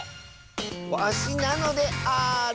わしなのである！